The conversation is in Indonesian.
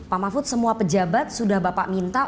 pak mahfud semua pejabat sudah bapak minta